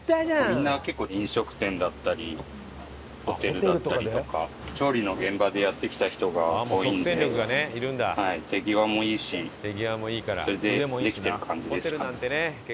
みんな結構飲食店だったりホテルだったりとか調理の現場でやってきた人が多いので手際もいいしそれでできてる感じですかね。